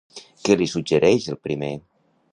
Què li suggereix el primer?